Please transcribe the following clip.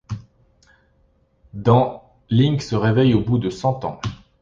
Dans ', Link se réveille au bout de cent ans.